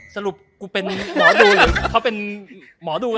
สรุปผมเป็นหมอดู